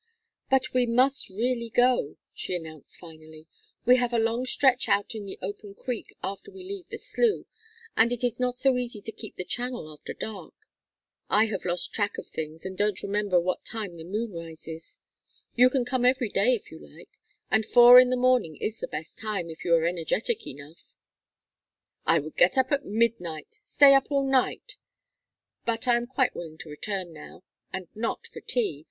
"But we must really go," she announced, finally. "We have a long stretch out in the open creek after we leave the slough, and it is not so easy to keep the channel after dark. I have lost track of things and don't remember what time the moon rises. You can come every day if you like; and four in the morning is the best time if you are energetic enough " "I would get up at midnight stay up all night. But I am quite willing to return now and not for tea.